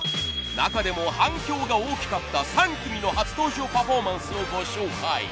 中でも反響が大きかった３組の初登場パフォーマンスをご紹介。